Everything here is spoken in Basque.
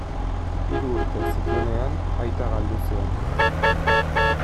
Hiru urte zituenean aita galdu zuen.